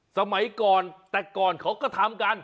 สมัยก่อนแต่ก่อนเขาก็ทำกัน